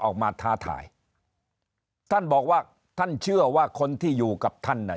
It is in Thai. ท้าทายท่านบอกว่าท่านเชื่อว่าคนที่อยู่กับท่านน่ะ